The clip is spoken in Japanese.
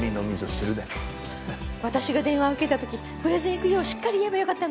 私が電話受けた時プレゼン行くようしっかり言えばよかったのよ。